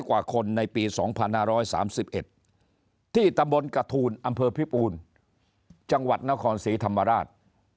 กว่าคนในปี๒๕๓๑ที่ตำบลกระทูลอำเภอพิปูนจังหวัดนครศรีธรรมราช